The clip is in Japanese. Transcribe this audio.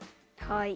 はい。